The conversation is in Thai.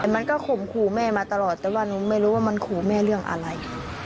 แต่มันก็ข่มขู่แม่มาตลอดแต่ว่าหนูไม่รู้ว่ามันขู่แม่เรื่องอะไร